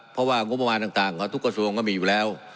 เพราะว่างุมวาลต่างทุกข่าวส่วนมันก็มีอยู่แล้ว